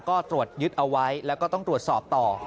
ก็ตรวจยึดเอาไว้แล้วก็ต้องตรวจสอบต่อ